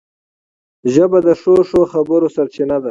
ژبه د ښو ښو خبرو سرچینه ده